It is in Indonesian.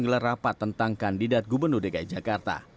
di dalam pilihan rapat tentang kandidat gubernur dki jakarta